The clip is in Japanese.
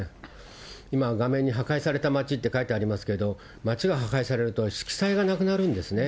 今、画面に破壊された町って書いてありますけれども、町が破壊されると色彩がなくなるんですね。